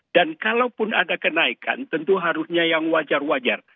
dan kalau pun ada kenaikan tentu harusnya yang wajar wajar